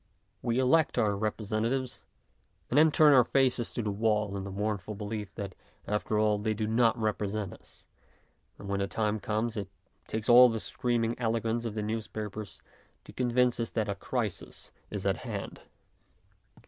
We elect our representatives, and then turn our faces to the wall in the mournful belief that after all they do not represent us, and when the time comes it takes all the scream ing eloquence of the newspapers to convince us that a crisis is at hand.